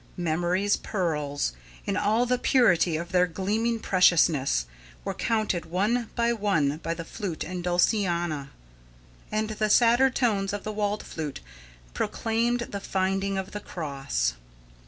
Memory's pearls, in all the purity of their gleaming preciousness, were counted one by one by the flute and dulciana; and the sadder tones of the waldflute proclaimed the finding of the cross.